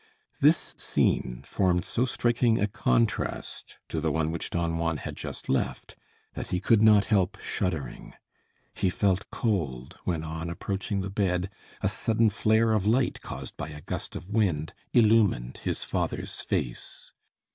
This scene formed so striking a contrast to the one which Don Juan had just left that he could not help shuddering. He felt cold when, on approaching the bed, a sudden flare of light, caused by a gust of wind, illumined his father's face.